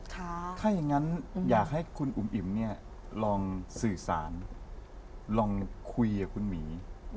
ถ้าอย่างนั้นอยากให้คุณอุ๋มอิ๋มลองสื่อสารลองคุยกับคุณหมี